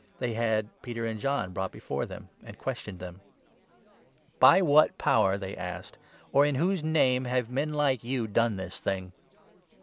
They had 7 Peter and John brought before them, and questioned them. "By what power," they asked, "or in whose name have men like you done this thing